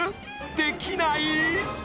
できない？